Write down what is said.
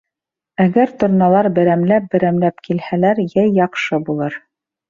Әгәр торналар берәмләп-берәмләп килһәләр, йәй яҡшы булыр